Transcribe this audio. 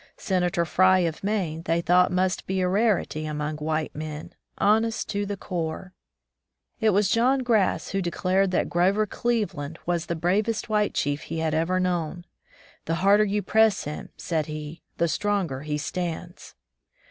Senator Prye of Maine they thought must be a rarity among white men — honest to the core ! It was John Grass who declared that Grover Cleveland was the bravest white chief he had ever known. "The harder you press him," said he, "the stronger he stands."